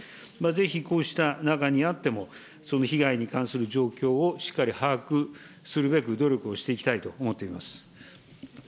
ぜひ、こうした中にあっても、その被害に関する状況をしっかり把握するべく、努力をしていきたいと思っています。